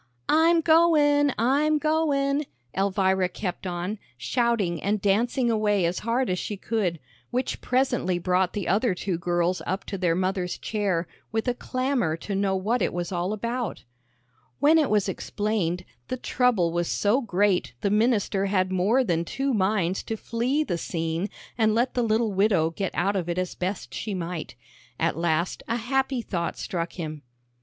"I'm goin'; I'm goin'," Elvira kept on, shouting and dancing away as hard as she could, which presently brought the other two girls up to their mother's chair with a clamor to know what it was all about. When it was explained, the trouble was so great the minister had more than two minds to flee the scene and let the little widow get out of it as best she might. At last a happy thought struck him.